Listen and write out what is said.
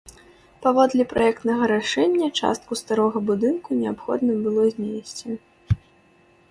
Паводле праектнага рашэння, частку старога будынку неабходна было знесці.